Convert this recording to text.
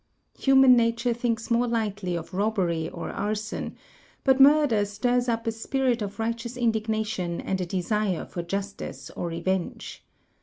Human nature thinks more lightly of robbery, or arson; but murder stirs up a spirit of righteous indignation and a desire for justice or revenge.